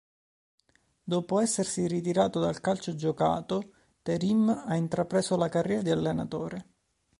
Dopo essersi ritirato dal calcio giocato, Terim ha intrapreso la carriera di allenatore.